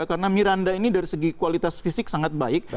karena miranda ini dari segi kualitas fisik sangat baik